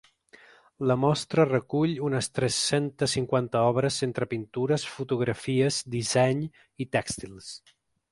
La mostra recull unes tres-centes cinquanta obres entre pintures, fotografies, disseny i tèxtils.